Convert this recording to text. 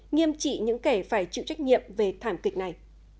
nghiêm trị những kẻ phải chịu trách nhiệm về thảm kịch này